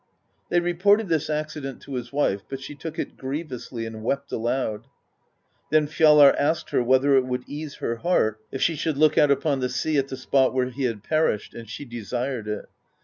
They reported this accident to his wife, but she took it grievously and wept aloud. Then Fjalar asked her whether it would ease her heart if she should look out upon the sea at the spot where he had perished; and she desired it.